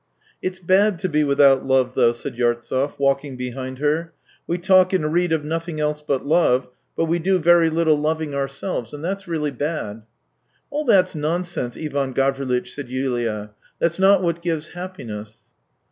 " It's bad to be without love though," said Yartsev, walking behind her. " We talk and read of nothing else but love, but we do very little loving ourselves, and that's really bad." " All that's nonsense, Ivan Gavrilitch," said Yulia. " That's not what gives happiness."